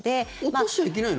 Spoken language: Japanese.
落としちゃいけないの？